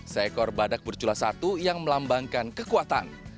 seekor badak bercula satu yang melambangkan kekuatan